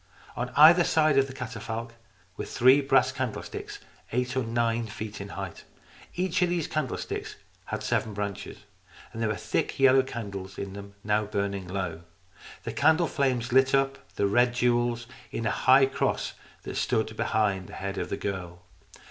On either side of the catafalque were three brass candlesticks, eight or nine feet in height. Each of these candlesticks had seven branches. There were thick yellow candles in them, now burning low. The candle flames lit up the red jewels in a high cross that stood behind the head of the girl.